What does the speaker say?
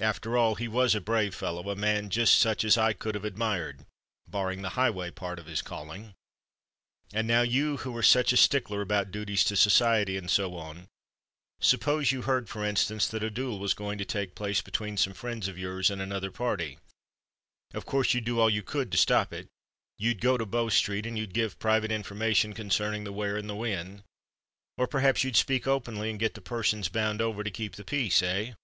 After all, he was a brave fellow—a man just such as I could have admired, barring the highway part of his calling. And now, you who are such a stickler about duties to society, and so on—suppose you heard, for instance, that a duel was going to take place between some friends of yours and another party—of course you'd do all you could to stop it—you'd go to Bow Street, and you'd give private information concerning the where and the when;—or perhaps you'd speak openly, and get the persons bound over to keep the peace—eh?"